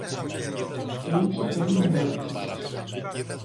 Και ήπιε πολύ νερό ο Κίτσος